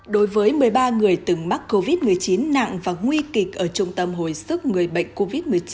đối với một mươi ba người từng mắc covid một mươi chín nặng và nguy kịch ở trung tâm hồi sức người bệnh covid một mươi chín